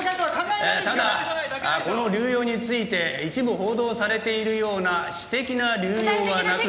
ただこの流用について一部報道されているような私的な流用はなく。